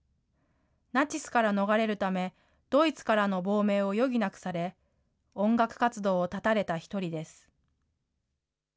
ナチスから逃れるため、ドイツからの亡命を余儀なくされ、音楽活動を断たれた一人です。